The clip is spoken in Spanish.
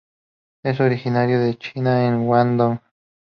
Es originaria de China en Guangdong.